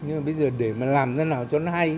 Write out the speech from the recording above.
nhưng mà bây giờ để mà làm thế nào cho nó hay